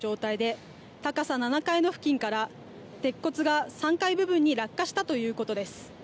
鉄骨やクレーンがむき出しになった状態で高さ７階の付近から鉄骨が３階部分に落下したということです。